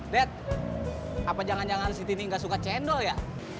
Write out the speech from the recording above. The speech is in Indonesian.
det apa jangan jangan si tini ga suka cendol ya